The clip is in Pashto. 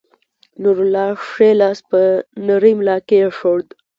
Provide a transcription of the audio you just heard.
نورالله ښے لاس پۀ نرۍ ملا کېښود